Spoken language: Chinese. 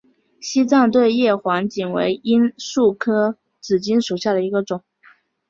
西藏对叶黄堇为罂粟科紫堇属下的一个种。